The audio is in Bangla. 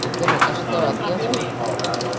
কেন, কাশীতে ওর আত্মীয় আছে।